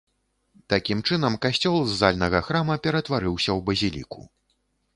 Такім чынам касцёл з зальнага храма ператварыўся ў базіліку.